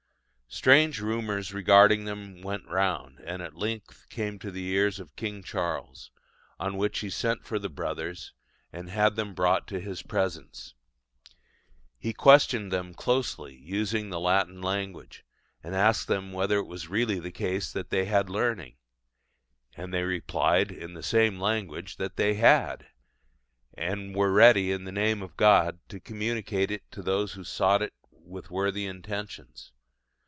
Strange rumours regarding them went round, and at length came to the ears of King Charles; on which he sent for the brothers, and had them brought to his presence. He questioned them closely, using the Latin language, and asked them whether it was really the case that they had learning; and they replied in the same language that they had, and were ready, in the name of God, to communicate it to those who sought it with worthy intentions.